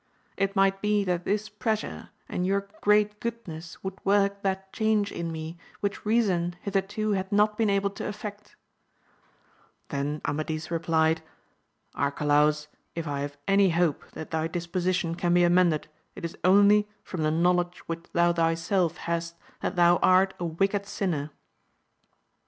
It might be that this pressure, and your great goodness would work that change in me, which reason hitherto hath not been able to effectu Then Amadis replied, Arcalaus, if I have any hope that thy disposition can be amended, it is only from the knowledge which thou thyself hast that thou art a wicked sinner.